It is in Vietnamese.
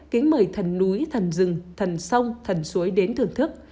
kính mời thần núi thần rừng thần sông thần suối đến thưởng thức